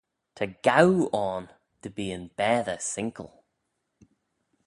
Ta gaaue ayn dy bee yn baatey sinkal